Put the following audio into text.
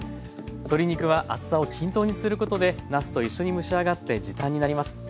鶏肉は厚さを均等にすることでなすと一緒に蒸し上がって時短になります。